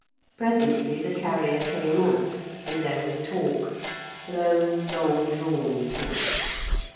Presently the carrier came out, and there was talk, slow, long drawn talk.